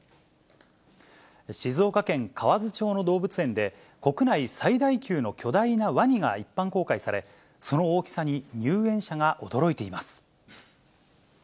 静岡県河津町の動物園で、国内最大級の巨大なワニが一般公開され、その大きさに入園者が驚いています。